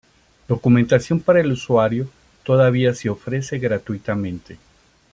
Documentación para el usuario todavía se ofrece gratuitamente.